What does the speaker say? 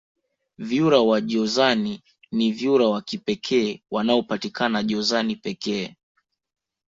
vyura wa jozani ni vyura wa kipekee wanaopatikana jozani pekee